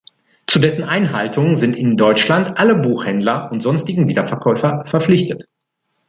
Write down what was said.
Zu dessen Einhaltung sind in Deutschland alle Buchhändler und sonstigen Wiederverkäufer verpflichtet.